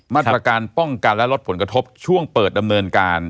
มาตรการป้องกันและลดผลกระทบช่วงเปิดดำเนินการ